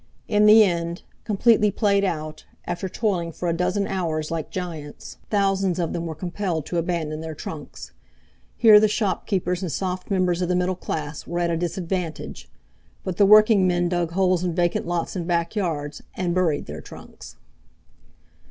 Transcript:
In the end, completely played out, after toiling for a dozen hours like giants, thousands of them were compelled to abandon their trunks. Here the shopkeepers and soft members of the middle class were at a disadvantage. But the working men dug holes in vacant lots and backyards and buried their trunks.